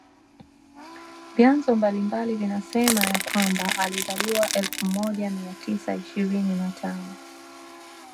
Vyanzo mbalimbali vinasema ya kwamba alizaliwa elfu moja mia tisa ishirini na tano